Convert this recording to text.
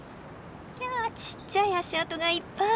きゃちっちゃい足跡がいっぱい。